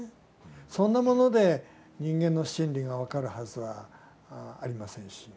そんなもので人間の心理が分かるはずはありませんし。